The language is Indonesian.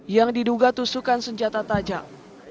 yang diduga tusukan senjata tajam